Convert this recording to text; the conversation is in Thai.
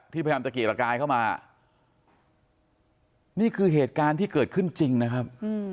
พยายามตะเกียกตะกายเข้ามานี่คือเหตุการณ์ที่เกิดขึ้นจริงนะครับ